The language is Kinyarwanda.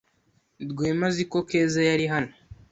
Rwema azi ko Keza yari hano.